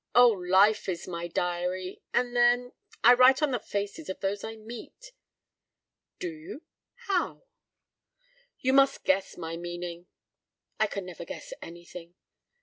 "Oh, life is my diary, and then—I write on the faces of those I meet." "Do you—how?" "You must guess my meaning." "I can never guess anything."